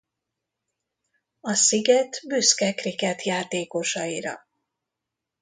A sziget büszke krikett játékosaira.